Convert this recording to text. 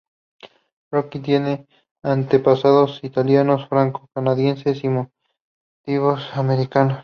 Rocky tiene antepasados italianos, franco-canadienses, y nativos americanos.